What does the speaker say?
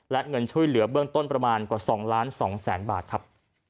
และเงินช่วยเหลือเบื้องต้นประมาณกว่า๒๒๐๐๐๐บาทครับ